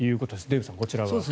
デーブさん、こちらは。